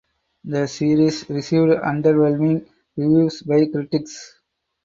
The series received underwhelming reviews by critics.